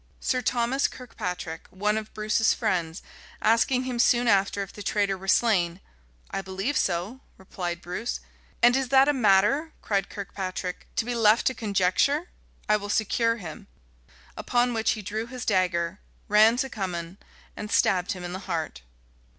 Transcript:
Sir Thomas Kirkpatric, one of Bruce's friends, asking him soon after if the traitor were slain, "I believe so," replied Bruce. "And is that a matter," cried Kirkpatric, "to be left to conjecture? I will secure him." Upon which he drew his dagger, ran to Cummin, and stabbed him to the heart.